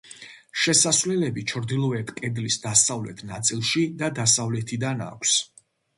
შესასვლელები ჩრდილოეთ კედლის დასავლეთ ნაწილში და დასავლეთიდან აქვს.